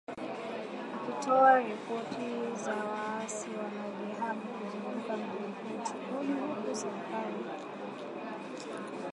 ikitoa ripoti za waasi wanaojihami kuzunguka mji mkuu Tripoli huku serikali zinazopingana zikiwania madaraka